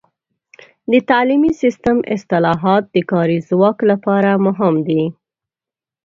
د تعلیمي سیستم اصلاحات د کاري ځواک لپاره مهم دي.